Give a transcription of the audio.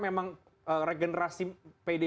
memang regenerasi pdi